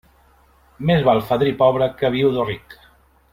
Més val fadrí pobre que viudo ric.